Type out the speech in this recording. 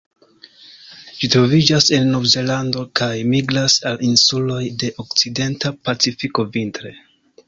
Ĝi troviĝas en Novzelando, kaj migras al insuloj de okcidenta Pacifiko vintre.